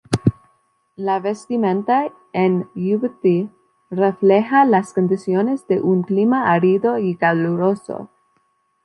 La vestimenta en Yibuti refleja las condiciones de un clima árido y caluroso.